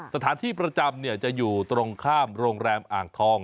สถานที่ประจำจะอยู่ตรงข้ามโรงแรมอ่างทอง